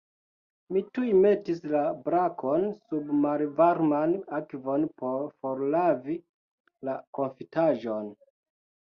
Mi tuj metis la brakon sub malvarman akvon por forlavi la konfitaĵon.